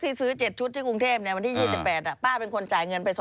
ซื้อ๗ชุดที่กรุงเทพวันที่๒๘ป้าเป็นคนจ่ายเงินไป๒๐๐